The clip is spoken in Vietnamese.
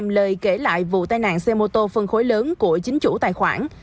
về vụ tai nạn xe mô tô phân khối lớn của chính chủ tài khoản